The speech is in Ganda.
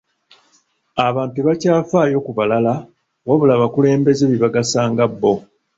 Abantu tebakyafaayo ku balala wabula bakulembeza bibagasa nga bbo.